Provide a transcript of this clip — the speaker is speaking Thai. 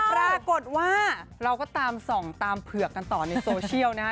ปรากฏว่าเราก็ตามส่องตามเผือกกันต่อในโซเชียลนะฮะ